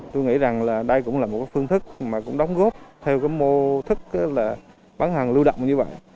tôi nghĩ rằng là đây cũng là một phương thức mà cũng đóng góp theo cái mô thức là bán hàng lưu động như vậy